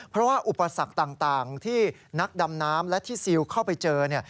เพราะว่าอุปสรรคต่างที่นักดำน้ำและที่ซิลเข้าไปเจอเนี่ย